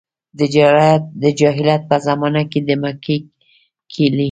د جاهلیت په زمانه کې د مکې کیلي.